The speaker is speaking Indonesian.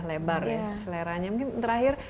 lebar ya seleranya mungkin terakhir